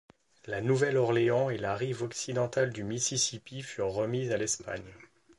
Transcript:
La Nouvelle-Orléans et la rive occidentale du Mississippi furent remises à l'Espagne.